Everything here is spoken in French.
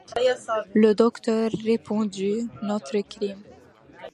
Le docteur répondit: — Notre crime.